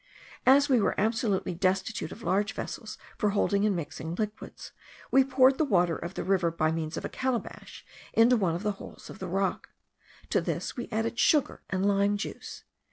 As we were absolutely destitute of large vessels for holding and mixing liquids, we poured the water of the river, by means of a calabash, into one of the holes of the rock: to this we added sugar and lime juice.